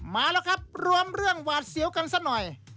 มาแล้วครับรวมเรื่องหวาดเสียวกันซะหน่อย